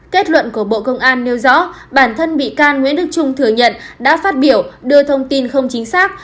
kết luận của bộ công an nêu rõ bản thân bị can nguyễn đức trung thừa nhận đã phát biểu đưa thông tin không chính xác